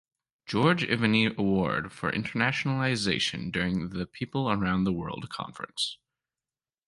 George Ivany Award for Internationalization during the People Around the World Conference.